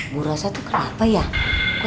bu raza tuh kenapa ya